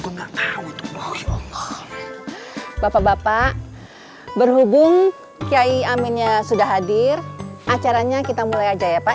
enggak bapak bapak berhubung kiai aminnya sudah hadir acaranya kita mulai aja ya pak